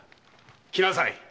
来なさい。